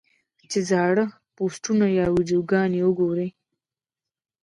چې زاړۀ پوسټونه يا ويډيوګانې اوګوري -